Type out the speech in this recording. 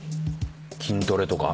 筋トレとか？